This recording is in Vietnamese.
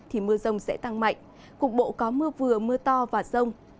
thì mưa rông sẽ tăng mạnh cục bộ có mưa vừa mưa to và rông